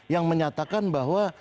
yang menyatakan bahwa